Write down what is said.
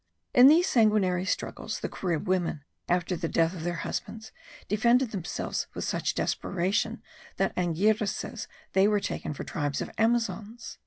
In these sanguinary struggles, the Carib women, after the death of their husbands, defended themselves with such desperation that Anghiera says they were taken for tribes of Amazons.